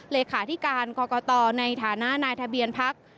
เลขาธิการกรกตในฐานะนายทะเบียนพัก